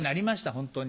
本当に。